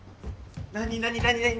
何何何？